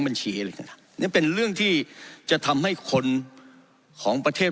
บัญชีอะไรกันนี่เป็นเรื่องที่จะทำให้คนของประเทศ